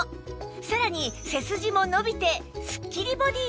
さらに背筋も伸びてスッキリボディーに！